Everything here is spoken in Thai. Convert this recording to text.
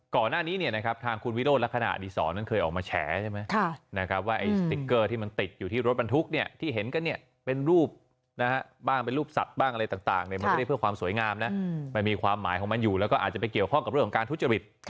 ก่อนหน้านี้เนี่ยนะครับทางคุณวิโรธลักษณะอดีศรนั้นเคยออกมาแฉใช่ไหมนะครับว่าไอ้สติ๊กเกอร์ที่มันติดอยู่ที่รถบรรทุกเนี่ยที่เห็นกันเนี่ยเป็นรูปบ้างเป็นรูปสัตว์บ้างอะไรต่างมันไม่ได้เพื่อความสวยงามนะมันมีความหมายของมันอยู่แล้วก็อาจจะไปเกี่ยวข้องกับเรื่องของการทุจริต